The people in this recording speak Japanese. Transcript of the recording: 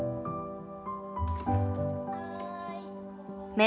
はい。